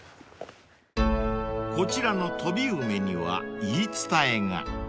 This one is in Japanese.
［こちらの飛梅には言い伝えが］